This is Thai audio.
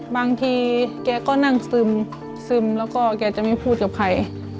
บางทีแกก็นั่งซึมซึมแล้วก็แกจะไม่พูดกับใคร